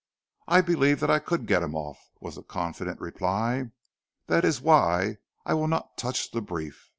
"I believe that I could get him off," was the confident reply. "That is why I will not touch the brief.